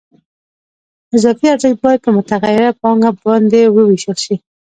اضافي ارزښت باید په متغیره پانګه باندې ووېشل شي